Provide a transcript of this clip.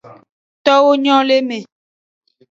Towo nyo le me.